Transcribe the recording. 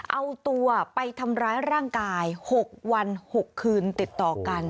เอาตัวไปทำร้ายร่างกาย๖วัน๖คืนติดต่อกัน